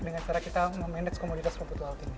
dengan cara kita memanage komoditas rumput laut ini